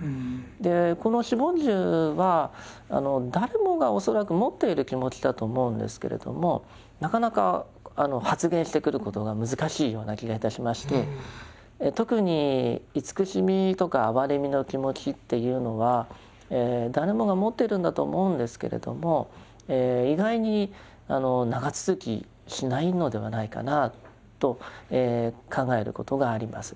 この四梵住は誰もが恐らく持っている気持ちだと思うんですけれどもなかなか発現してくることが難しいような気がいたしまして特に慈しみとか哀れみの気持ちっていうのは誰もが持っているんだと思うんですけれども意外に長続きしないのではないかなと考えることがあります。